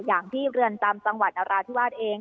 อย่างที่เรือนจำจังหวัดนราธิวาสเอง